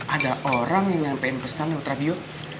ada orang yang pengen pesan ke utradio